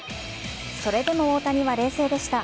それでも大谷は冷静でした。